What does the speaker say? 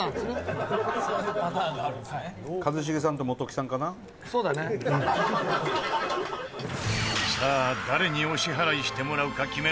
さあ、誰にお支払いしてもらうか決める